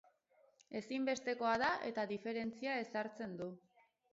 Ezinbestekoa da, eta diferentzia ezartzen du.